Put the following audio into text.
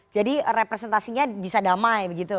jadi representasinya bisa damai begitu